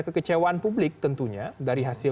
kekecewaan publik tentunya dari hasil